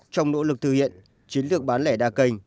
trong nỗ lực thực hiện chiến lược bán lẻ đa kênh